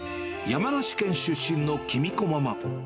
山梨県出身の喜美子ママ。